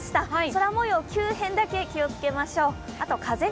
空もよう、急変だけ気をつけましょう。